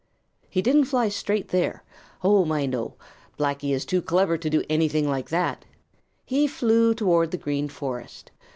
He didn't fly straight there. Oh, my, no! Blacky is too clever to do anything like that. He flew toward the Green Forest.